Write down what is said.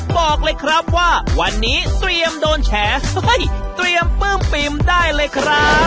บอกเลยครับว่าวันนี้เตรียมโดนแฉเตรียมปลื้มปิ่มได้เลยครับ